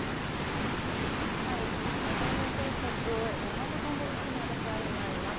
東名高速大和トンネル付近に私は今、います。